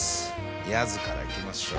ヤズからいきましょう。